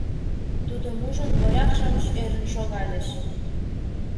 Тудым ужын, моряк-шамыч ӧрын шогальыч.